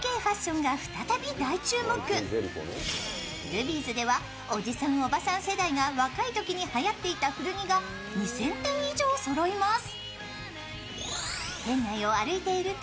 ルビーズではおじさん、おばさん世代が若いときにはやっていた古着が２０００点以上そろいます。